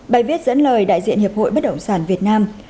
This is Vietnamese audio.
bài viết dẫn lời đại diện hiệp hội bất động sản việt nam